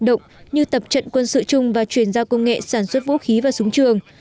động như tập trận quân sự chung và chuyển giao công nghệ sản xuất vũ khí và súng trường